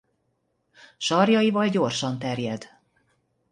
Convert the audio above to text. Sarjaival gyorsan terjed.